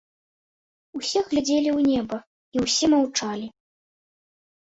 Усе глядзелі ў неба, і ўсё маўчалі.